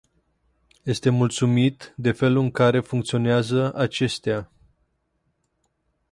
Este mulțumit de felul în care funcționează acestea.